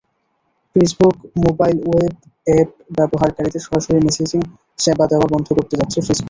Facebook mobile web app ব্যবহারকারীদের সরাসরি messaging সেবা দেওয়া বন্ধ করতে যাচ্ছে ফেসবুক।